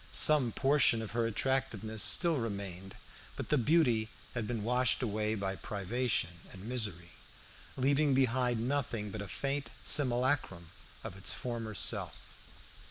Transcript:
Some portion of her attractiveness still remained, but the beauty had been washed away by privation and misery, leaving behind nothing but a faint simulacrum of its former self.